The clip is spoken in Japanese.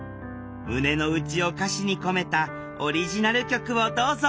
胸の内を歌詞に込めたオリジナル曲をどうぞ。